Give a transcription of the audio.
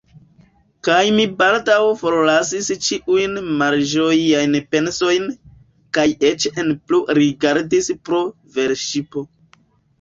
Kaj mi baldaŭ forlasis ĉiujn malĝojajn pensojn, kaj eĉ ne plu rigardis pro velŝipo.